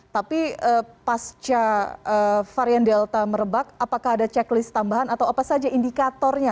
tapi pasca varian delta merebak apakah ada checklist tambahan atau apa saja indikatornya